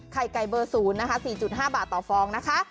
ไข่ไก่เบอร์๐นะคะ๔๕บาทต่อฟองนะคะ